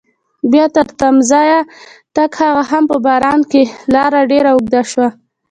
بیا تر تمځایه تګ هغه هم په باران کې لاره ډېره اوږده شوه.